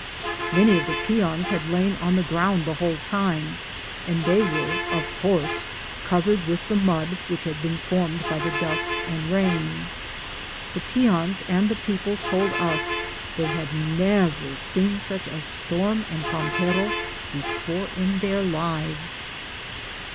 Many of the peons had lain on the , ground the whole time, and they were of course co vered with the mud which had been formed by the dust and rain. The peons and the people told us they had never seen ^ such a storm and pampero before in their lives.